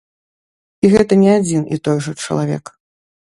І гэта не адзін і той жа чалавек.